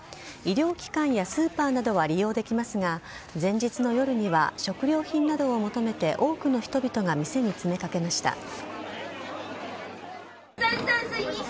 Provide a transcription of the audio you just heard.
医療機関やスーパーなどは利用できますが、前日の夜には食料品などを求めて多くの人々が店に詰めかけました。